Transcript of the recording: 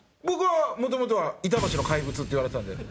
僕はもともとは板橋の怪物って言われてたんで。